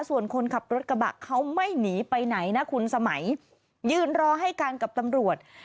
ส่วนคนขับรถกระบะเขาไม่หนีไปไหนนะคุณสมัยยืนรอให้การกับตำรวจ